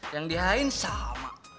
yang dihajin sama